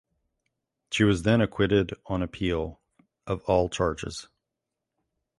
She was then acquitted on appeal of all charges.